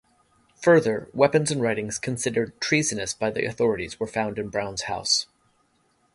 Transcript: Further, weapons and writings considered treasonous by the authorities were found in Brown's house.